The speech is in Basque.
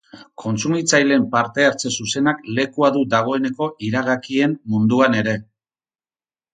Kontsumitzaileen parte-hartze zuzenak lekua du dagoeneko iragakien munduan ere.